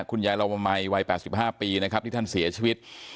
ลาวมัยวัย๘๕ปีนะครับที่ท่านเสียชีวิต